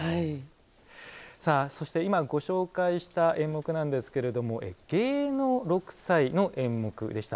さあ、そして今ご紹介した演目なんですけれども芸能六斎の演目でした。